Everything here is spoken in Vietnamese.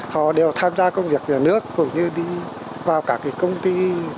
họ đều tham gia công việc giữa nước cũng như đi vào cả cái công ty